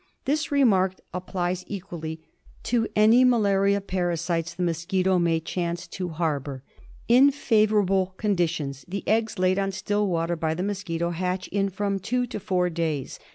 This remark applies equally to any malaria parasites the mosquito may chance to harbour. In favourable conditions the eggs laid on still water by the mosquito hatch in from two to four days.